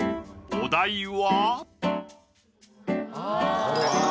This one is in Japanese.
お題は。